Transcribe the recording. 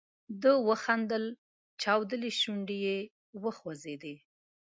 ده وخندل، چاودلې شونډې یې وخوځېدې.